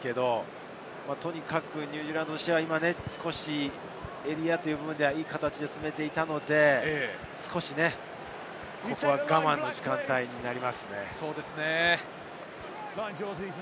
とにかくニュージーランドとしては少しエリアでは、いい形で進めていたので、ここは我慢の時間帯になりますね。